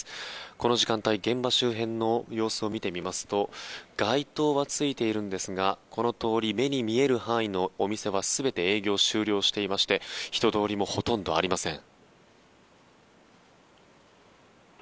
この時間帯現場周辺の様子を見てみますと街灯はついているんですがこの通り目に見える範囲のお店は全て営業を終了していまして人通りも、ほとんどありません。